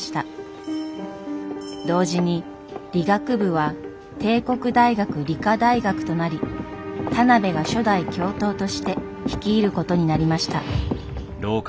同時に理学部は帝国大学理科大学となり田邊が初代教頭として率いることになりました。